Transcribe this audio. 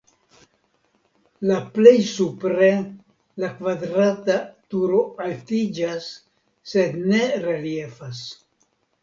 La plej supre la kvadrata turo altiĝas (sed ne reliefas).